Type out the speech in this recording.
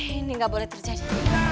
ini enggak boleh terjadi